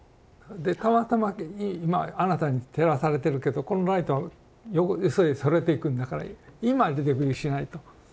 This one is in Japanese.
「でたまたまに今あなたに照らされてるけどこのライトはそれていくんだから今出てくるしかない」と。